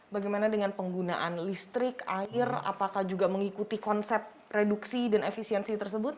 bagaimana dengan penggunaan listrik air apakah juga mengikuti konsep reduksi dan efisiensi tersebut